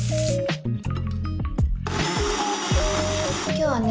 今日はね